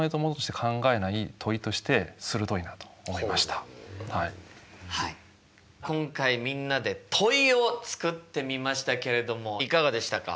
これは案外今回みんなで問いを作ってみましたけれどもいかがでしたか？